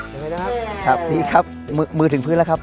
เห็นไหมครับนี่ครับมือถึงพื้นแล้วครับ